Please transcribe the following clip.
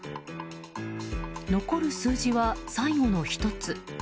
残る数字は最後の１つ。